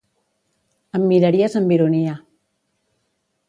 Em mirares amb ironia.